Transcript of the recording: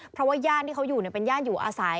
เพราะว่าย่านที่เขาอยู่เป็นย่านอยู่อาศัย